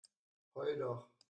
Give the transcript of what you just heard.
Heul doch!